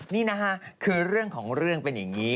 นี่นะคะคือเรื่องของเรื่องเป็นอย่างนี้